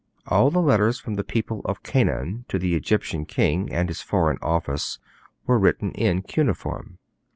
All the letters from the people of Canaan to the Egyptian king and his Foreign Office were written in cuneiform.